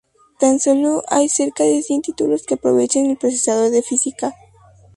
Tan sólo hay cerca de cien títulos que aprovechen el procesador de física.